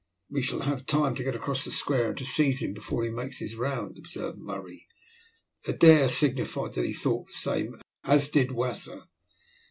"We shall have time to get across the square and to seize him before he makes his round," observed Murray. Adair signified that he thought the same, as did Wasser.